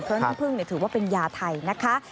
เพราะน้ำพึ่งถือว่าเป็นยาไทยนะคะ